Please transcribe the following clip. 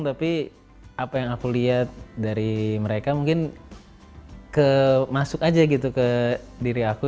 tapi apa yang aku lihat dari mereka mungkin masuk aja gitu ke diri aku